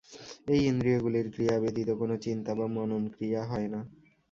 এই ইন্দ্রিয়গুলির ক্রিয়া ব্যতীত কোন চিন্তা বা মনন-ক্রিয়া হয় না।